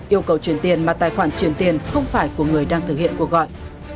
yêu cầu truyền tiền mà tài khoản truyền tiền không phải của người đang thực hiện cuộc gọi